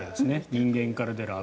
人間から出る脂。